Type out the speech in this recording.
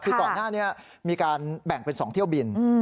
คือก่อนหน้านี้มีการแบ่งเป็น๒เที่ยวบิน